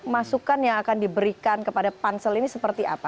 masukan yang akan diberikan kepada pansel ini seperti apa